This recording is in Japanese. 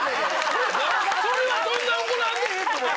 それはそんな怒らんでええと。